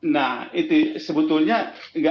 nah itu sebetulnya nggak